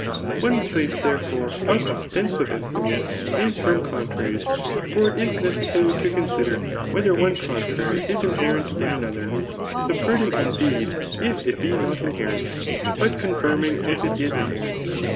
One place, therefor^, of ostensiye enthymemes is from contraries ; for it is necessary to consider whether one contrary is inherent ia another j subverting, indeed, if it be not inherent ^ but confirniing if it is inherent.